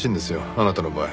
あなたの場合。